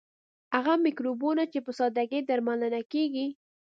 هغه مکروبونه چې په ساده ګۍ درملنه کیږي.